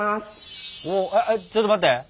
ちょっと待って。